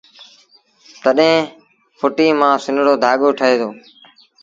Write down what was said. تڏهيݩ ڦئٽيٚ مآݩ سنڙو ڌآڳو ٺهي دو